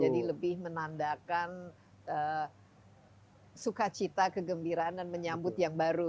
lebih menandakan sukacita kegembiraan dan menyambut yang baru